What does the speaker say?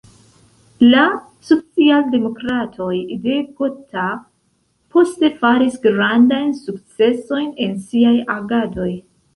La socialdemokratoj de Gotha poste faris grandajn sukcesojn en siaj agadoj.